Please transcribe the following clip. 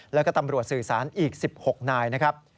แล้วก็ตำรวจสื่อสารอีก๑๖นายนะครับ